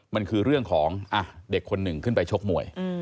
มันคือเรื่องของเด็กคนหนึ่งขึ้นไปชกมวย